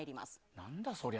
何だそりゃ？